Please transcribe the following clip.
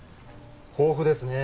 豊富ですね